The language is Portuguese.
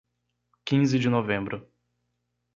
Quinze de Novembro